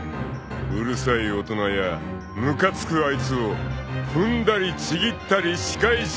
［うるさい大人やムカつくあいつを踏んだりちぎったり仕返しもし放題］